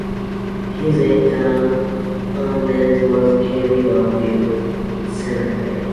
His interment was in River View Cemetery.